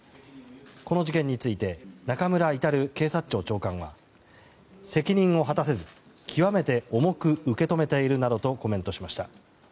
この事件について中村格警察庁長官は責任を果たせず極めて重く受け止めているなどとコメントしました。